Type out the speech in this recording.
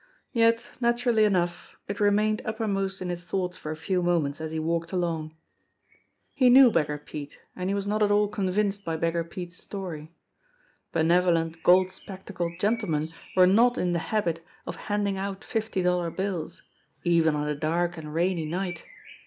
Yet, naturally enough, it remained uppermost in his thoughts for a few moments as he walked along. 108 JIMMIE DALE AND THE PHANTOM CLUE He knew Beggar Pete, and he was not at all convinced by Beggar Pete's story. Benevolent, gold spectacled gentle men were not in the habit of handing out fifty dollar bills even on a dark and rainy night!